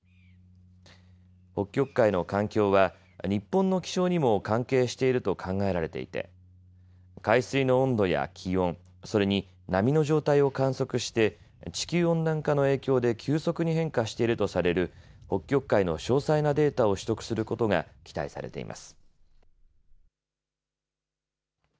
北極海の環境は日本の気象にも関係していると考えられていて海水の温度や気温、それに波の状態を観測して地球温暖化の影響で急速に変化しているとされる北極海の詳細なデータを取得することが期待されています。